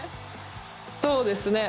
そうですね。